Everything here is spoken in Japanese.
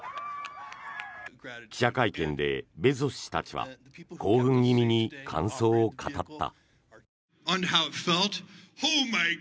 記者会見でベゾス氏たちは興奮気味に感想を語った。